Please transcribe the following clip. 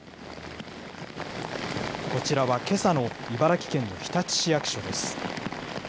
こちらはけさの茨城県の日立市役所です。